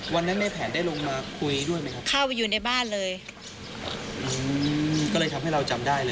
วันนั้นในแผนได้ลงมาคุยด้วยไหมครับเข้าไปอยู่ในบ้านเลยอืมก็เลยทำให้เราจำได้เลย